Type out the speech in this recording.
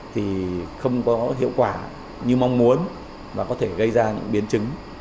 thì không có hiệu quả như mong muốn và có thể gây ra những biến chứng